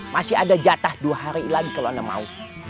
masih ada jatah dua hari lagi kalau anda mau